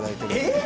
えっ？